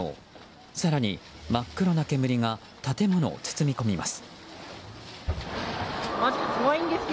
更に、真っ黒な煙が建物を包み込みます。